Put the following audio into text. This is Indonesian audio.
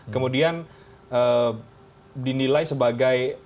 kemudian dinilai sebagai